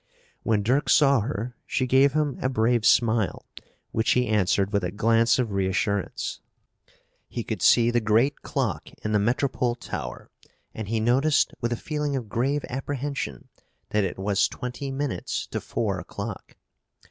When Dirk saw her she gave him a brave smile, which he answered with a glance of reassurance. He could see the great clock in the Metropole Tower, and he noticed, with a feeling of grave apprehension, that it was twenty minutes to four o'clock.